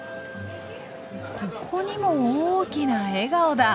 ここにも大きな笑顔だ。